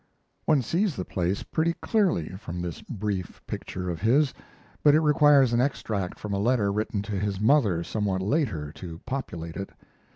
One sees the place pretty clearly from this brief picture of his, but it requires an extract from a letter written to his mother somewhat later to populate it.